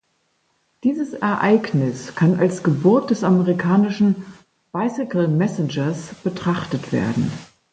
Dieses Ereignis kann als Geburt des amerikanischen „bicycle messengers“ betrachtet werden.